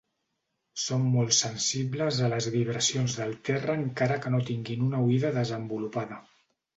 Són molt sensibles a les vibracions del terra encara que no tinguin una oïda desenvolupada.